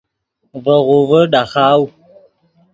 ڤے غوڤے ڈاخاؤ